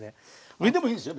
上でもいいんですよ